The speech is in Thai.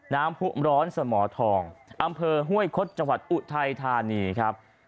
ผู้ร้อนสมทองอำเภอห้วยคดจังหวัดอุทัยธานีครับ